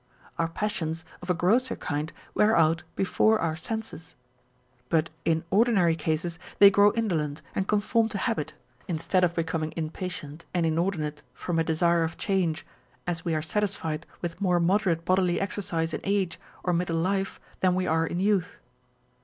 Our passions of a grosser kind wear out before our senses : but in ordinary cases they grow indolent and conform to habit, instead of becoming im patient and inordinate from a desire of change, as we are satisfied with more moderate bodily exercise in age or middle life than we are in youth.